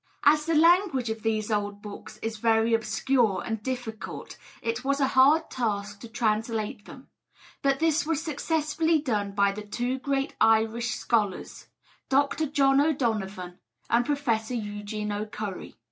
As the language of those old books is very obscure and difficult, it was a hard task to translate them; but this was successfully done by the two great Irish scholars, Dr. John O'Donovan and Professor Eugene O'Curry.